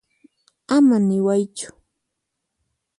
Ama niwaychu.